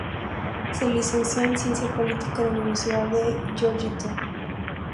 Se licenció en Ciencia Política en la Universidad de Georgetown.